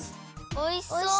おいしそう！